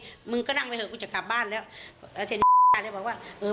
อย่างงี้มึงก็นั่งไว้เถอะกูจะกลับบ้านแล้วแล้วบอกว่าเออ